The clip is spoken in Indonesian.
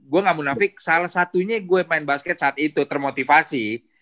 gue gak munafik salah satunya gue main basket saat itu termotivasi